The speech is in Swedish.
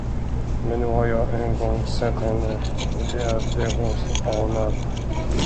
Men nu har jag en gång sett henne, och det är det hon anar.